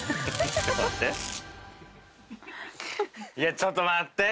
ちょっと待って！